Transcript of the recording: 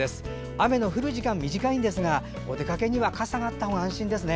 雨の降る時間は短いですがお出かけには傘があったほうが安心ですね。